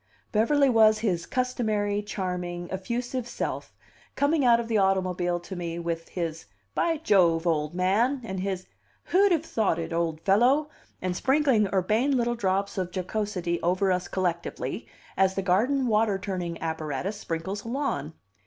Beverly was his customary, charming, effusive self, coming out of the automobile to me with his "By Jove, old man," and his "Who'd have thought it, old fellow?" and sprinkling urbane little drops of jocosity over us collectively, as the garden water turning apparatus sprinkles a lawn.